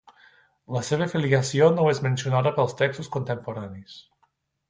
La seva filiació no és mencionada pels textos contemporanis.